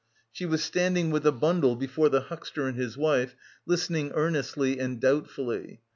She was standing with a bundle before the huckster and his wife, listening earnestly and doubtfully.